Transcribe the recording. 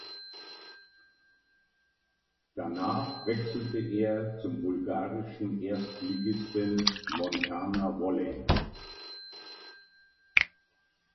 Danach wechselte er zum bulgarischen Erstligisten Montana Volley.